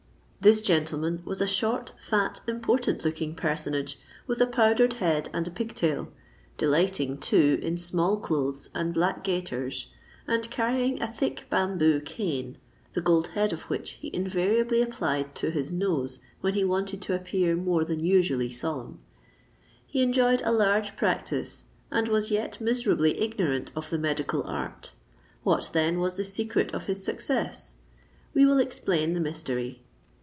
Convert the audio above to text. This gentleman was a short, fat, important looking personage—with a powdered head and a pig tail—delighting, too, in small clothes and black gaiters, and carrying a thick bamboo cane, the gold head of which he invariably applied to his nose when he wanted to appear more than usually solemn. He enjoyed a large practice, and was yet miserably ignorant of the medical art. What, then, was the secret of his success? We will explain the mystery.